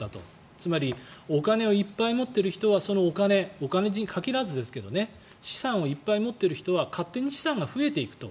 つまりお金をいっぱい持っている人はそのお金お金に限らずですけどね資産をいっぱい持っている人は勝手に資産が増えていくと。